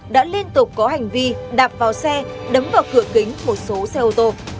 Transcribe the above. đã liên tục có hành vi đạp vào xe đấm vào cửa kính một số xe ô tô